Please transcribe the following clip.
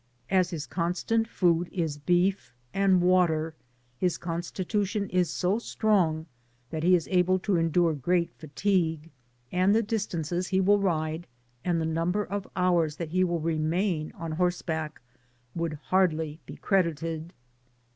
As his constant food is beef and water, his constitution is so strong that he is able to endure great fatigue; and the distances he will ride, and the number of hours that he will remain on horseback, would hardly be cre dited.